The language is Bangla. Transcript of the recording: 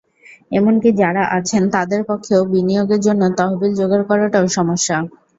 এমনকি যাঁরা আছেন, তাঁদের পক্ষেও বিনিয়োগের জন্য তহবিল জোগাড় করাটাও সমস্যা।